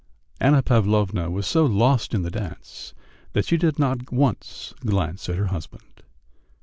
Anna Pavlovna was so lost in the dance that she did not once glance at her husband.